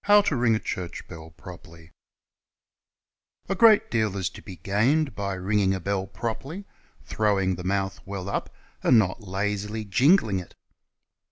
21 RING THE BELL CORRECTLY GREAT deal is to be gained by ringing a bell ]iroperly, throwing the mouth well up, and not lazil\ jingling it.